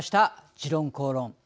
「時論公論」。